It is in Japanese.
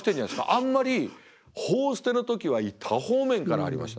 あんまり「報ステ」の時は多方面からありました。